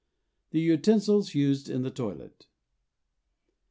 THE UTENSILS USED IN THE TOILET.